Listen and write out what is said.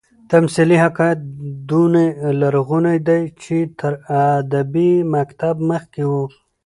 تمثيلي حکایت دونه لرغونى دئ، چي تر ادبي مکتب مخکي وو.